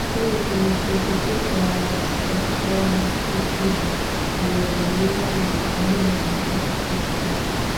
pili kwenye Chuo Kikuu cha Stockholm Uswidi aliyomaliza elfu moja mia tisa tisini na